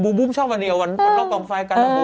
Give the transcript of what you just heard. บุ้มชอบอันเดียววันเรากองไฟกัน